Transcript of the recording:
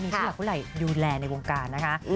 มีที่แหละคุณไหลในวงการนะคะ